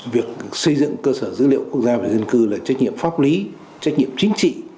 việc xây dựng cơ sở dữ liệu quốc gia về dân cư là trách nhiệm pháp lý trách nhiệm chính trị